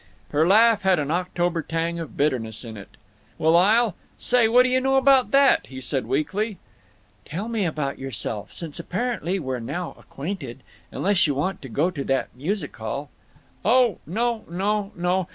Her laugh had an October tang of bitterness in it. "Well, I'll—say, what do you know about that!" he said, weakly. "Tell me about yourself—since apparently we're now acquainted…. Unless you want to go to that music hall?" "Oh no, no, no!